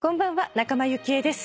仲間由紀恵です。